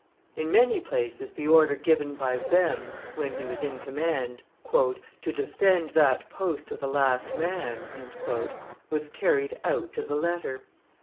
In many places the order given by Bem, when he was in command, "to defend that post to the last man," was carried out to the letter.